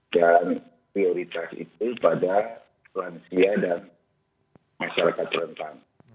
dan prioritas itu pada lansia dan masyarakat terentang